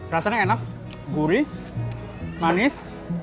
rasanya enak gurih manis